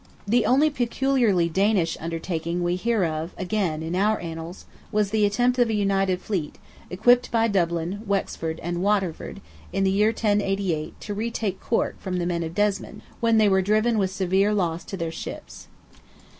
The only peculiarly Danish undertaking we hear of again, in our Annals, was the attempt of a united fleet, equipped by Dublin, Wexford, and Waterford, in the year 1088, to retake Cork from the men of Desmond, when they were driven with severe loss to their ships.